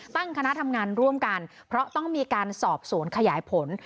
ตั้งคณะทำงานร่วมกันเพราะต้องมีการสอบสวนขยายผล